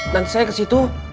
nanti saya kesitu